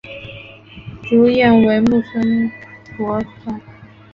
主演为木村拓哉。